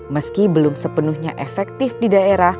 meski belum sepenuhnya efektif di daerah